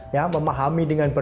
ya memahami dengan benar